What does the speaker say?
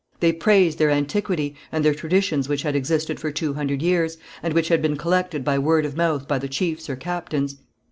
They praised their antiquity and their traditions which had existed for two hundred years, and which had been collected by word of mouth by the chiefs or captains.